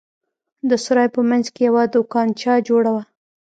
د سراى په منځ کښې يوه دوکانچه جوړه وه.